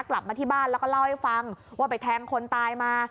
กลับมาที่บ้านแล้วก็เล่าให้ฟังว่าไปแทงคนตายมา